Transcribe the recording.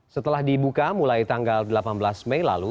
setelah dibuka mulai tanggal delapan belas mei lalu